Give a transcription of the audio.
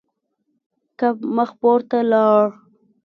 کب مخ پورته لاړ.